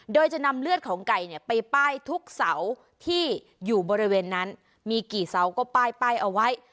โดยจะนำเลือดของไก่ไปป้ายทุกเสาที่อยู่บริเวณนั้นมีกี่เสาก็ป้ายเอาไว้